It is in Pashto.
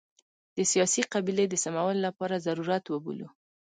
د سیاسي قبلې د سمولو لپاره ضرورت وبولو.